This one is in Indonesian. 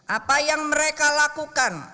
apa yang mereka lakukan